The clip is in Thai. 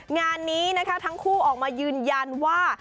งานนี้นะคะทั้งคู่ออกมายืนยันว่า